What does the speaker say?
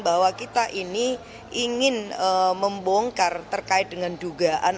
bahwa kita ini ingin membongkar terkait dengan dugaan